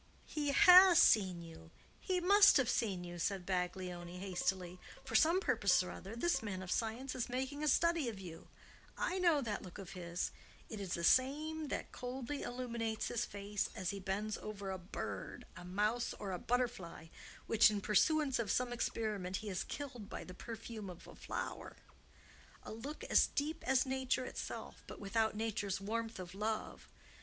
"He HAS seen you! he must have seen you!" said Baglioni, hastily. "For some purpose or other, this man of science is making a study of you. I know that look of his! It is the same that coldly illuminates his face as he bends over a bird, a mouse, or a butterfly, which, in pursuance of some experiment, he has killed by the perfume of a flower; a look as deep as Nature itself, but without Nature's warmth of love.